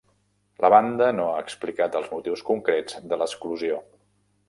La banda no ha explicat els motius concrets de l'exclusió.